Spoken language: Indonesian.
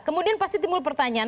kemudian pasti timbul pertanyaan